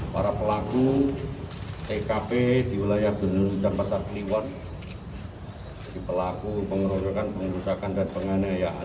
para pelaku tkp di wilayah benerutang pasar pilihuan pelaku pengeronokan pengerusakan dan penganayaan